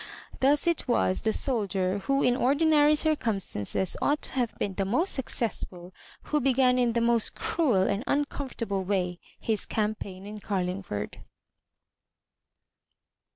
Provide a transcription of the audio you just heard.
Thus it was the soldier, who in ordi nary circumstances ought to have been the most successful, who began in the most cruel and un comfortable way his campaign in Carlingford.